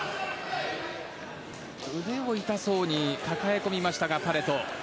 腕を痛そうに抱え込みましたがパレト。